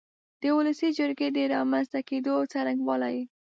د ولسي جرګې د رامنځ ته کېدو څرنګوالی